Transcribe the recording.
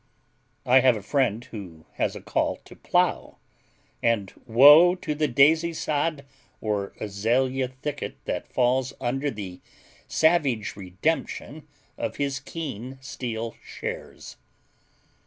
I have a friend who has a call to plough, and woe to the daisy sod or azalea thicket that falls under the savage redemption of his keen steel shares.